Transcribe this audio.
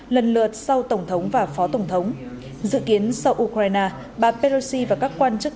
lần lượt sau tổng thống và phó tổng thống dự kiến sau ukraine bà peroshi và các quan chức